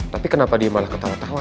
tapi kenapa dia malah ketawa tawa